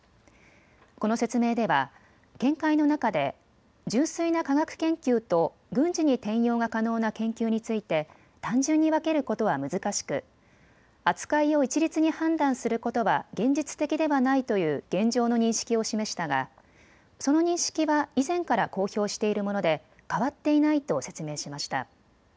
この説明では見解の中で純粋な科学研究と軍事に転用が可能な研究について単純に分けることは難しく扱いを一律に判断することは現実的ではないという現状の認識を示したがその認識は以前から公表しているもので変わっていないと説明しました。